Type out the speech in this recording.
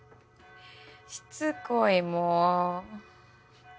しつこいもう。